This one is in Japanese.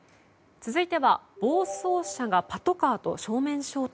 続いては暴走車がパトカーと正面衝突。